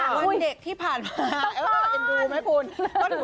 วันเด็กที่ผ่านมา